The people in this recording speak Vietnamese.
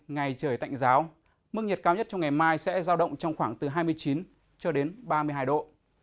ngày trời tạnh giáo mức nhiệt cao nhất trong ngày mai sẽ giao động trong khoảng từ hai mươi chín cho đến ba mươi hai độ